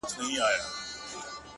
ماته يې په نيمه شپه ژړلي دي!!